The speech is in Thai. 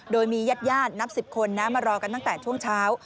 โดยมีญาตินับ๑๐คนมารอกันตั้งแต่ช่วงเช้า